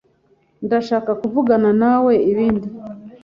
Ndashaka kuvugana nawe ibindi.